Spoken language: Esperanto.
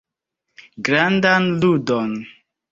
Grandan ludon.